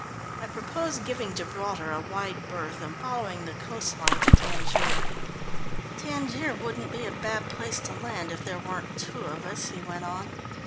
"I propose giving Gibraltar a wide berth, and following the coast line to Tangier." "Tangier wouldn't be a bad place to land if there weren't two of us," he went on.